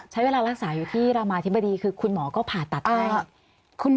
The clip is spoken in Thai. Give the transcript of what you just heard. ใช้เวลารักษาอยู่ที่รามาธิบดีคือคุณหมอก็ผ่าตัดให้คุณหมอ